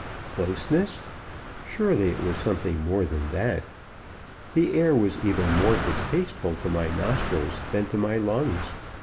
Closeness? surely it was something more than that. The air was even more distasteful to my nostrils than to my lungs.